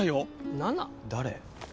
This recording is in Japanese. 誰？